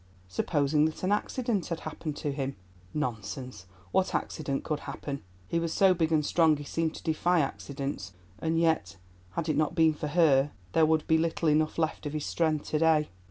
Supposing that an accident had happened to him. Nonsense! what accident could happen? He was so big and strong he seemed to defy accidents; and yet had it not been for her there would be little enough left of his strength to day.